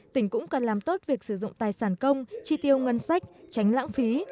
tỉnh cũng cần làm tốt việc sử dụng tài sản công chi tiêu ngân sách tránh lãng phí